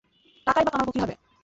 টাকাই বা কামাবো কীভাবে?